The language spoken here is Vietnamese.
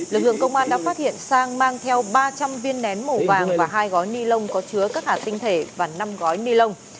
lực lượng công an đã phát hiện sang mang theo ba trăm linh viên nén màu vàng và hai gói ni lông có chứa các hạt tinh thể và năm gói ni lông